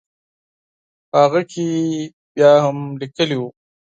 په هغه کې بیا هم لیکلي وو.